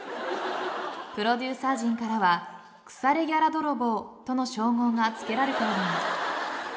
プロデューサー陣からは腐れギャラ泥棒との称号がつけられております。